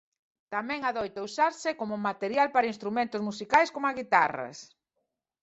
Tamén adoita usarse coma material para instrumentos musicais como guitarras.